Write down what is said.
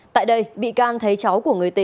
tại đây bị can thấy cháu của người tình